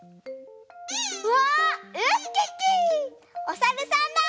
おさるさんだ！